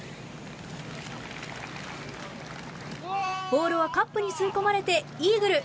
ボールはカップに吸い込まれてイーグル。